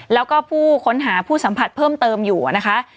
แล้วก็ผู้ค้นหาผู้สัมผัสเพิ่มเติมอยู่นะคะ